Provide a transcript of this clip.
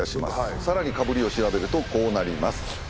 さらにかぶりを調べるとこうなります。